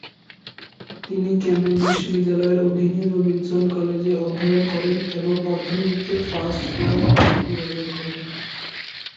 তিনি কেমব্রিজ বিশ্ববিদ্যালয়ের অধীনে "রবিনসন কলেজে" অধ্যয়ন করেন এবং অর্থনীতিতে ফার্স্ট ক্লাস ডিগ্রী অর্জন করেন।